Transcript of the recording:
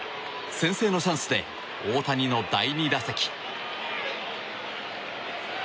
先制のチャンスで大谷の第２打席。